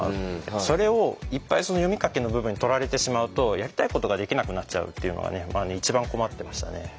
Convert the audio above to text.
それをいっぱい読み書きの部分に取られてしまうとやりたいことができなくなっちゃうっていうのはね一番困ってましたね。